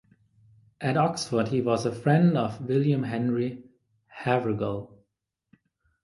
At Oxford he was a friend of William Henry Havergal.